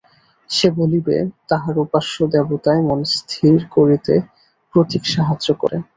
সে বলিবে, তাহার উপাস্য দেবতায় মন স্থির করিতে প্রতীক সাহায্য করে।